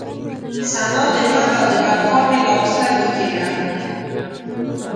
ثنا د ژوند او د بقا مې لا په سترګو کې ده.